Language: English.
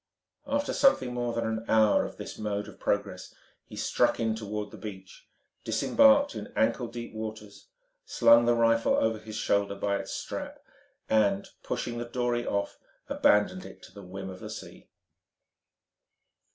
After something more than an hour of this mode of progress, he struck in toward the beach, disembarked in ankle deep waters, slung the rifle over his shoulder by its strap and, pushing the dory off, abandoned it to the whim of the sea.